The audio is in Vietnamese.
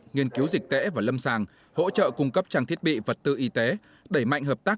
nghiên cứu dịch tễ và lâm sàng hỗ trợ cung cấp trang thiết bị vật tư y tế đẩy mạnh hợp tác